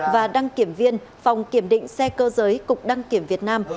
và đăng kiểm viên phòng kiểm định xe cơ giới cục đăng kiểm việt nam